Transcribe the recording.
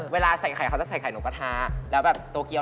เวลาแขนไข่เขาจะแขนไข่นกกระทาว่กลายอันที่๒ของกาย